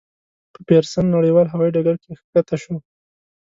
په پېرسن نړیوال هوایي ډګر کې کښته شوه.